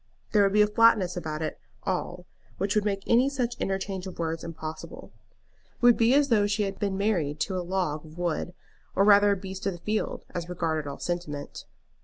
There would be a flatness about it all which would make any such interchange of words impossible. It would be as though she had been married to a log of wood, or rather a beast of the field, as regarded all sentiment.